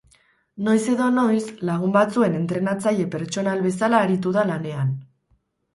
Noiz edo noiz, lagun batzuen entrenatzaile pertsonal bezala aritu da lanean.